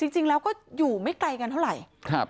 จริงแล้วก็อยู่ไม่ไกลกันเท่าไหร่